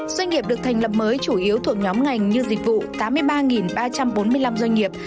doanh nghiệp được thành lập mới chủ yếu thuộc nhóm ngành như dịch vụ tám mươi ba ba trăm bốn mươi năm doanh nghiệp